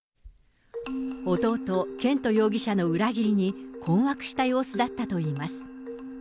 弟、絢斗容疑者の裏切りに困惑した様子だったといいます。